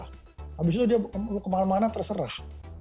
habis itu dia mau kemana mana terserah